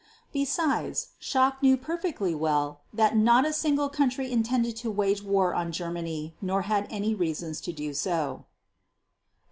Besides, Schacht knew perfectly well that not a single country intended to wage war on Germany nor had it any reasons to do so.